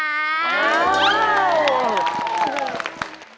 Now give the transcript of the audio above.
ว้าว